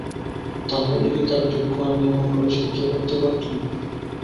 তা হলে কি তার দুঃখ আমি এমন করে সহ্য করতে পারতুম।